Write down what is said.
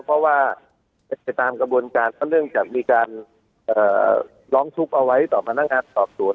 เพราะว่าไปตามกระบวนการก็เนื่องจากมีการร้องทุกข์เอาไว้ต่อพนักงานสอบสวน